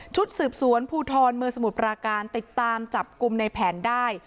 ชุดสืบสวนภูทรเมืองสมุทรปราการติดตามจับกลุ่มในแผนได้